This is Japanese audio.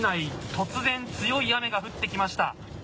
突然強い雨が降ってきました。